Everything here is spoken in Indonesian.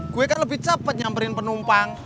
gue kan lebih cepat nyamperin penumpang